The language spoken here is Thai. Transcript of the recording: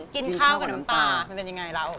กินข้าวกับน้ำตามันเป็นยังไงแล้ว